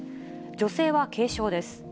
女性は軽傷です。